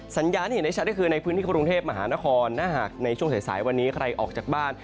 สัญญาณที่เห็นได้ชัดก็คือในพื้นที่กรุงเทพมหานครถ้าหากในช่วงสายวันนี้ใครออกจากบ้าน